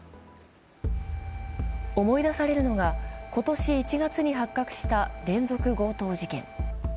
思い出されるのが今年１月に発覚した連続強盗事件。